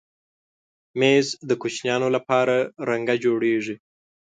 مېز د کوچنیانو لپاره رنګه جوړېږي.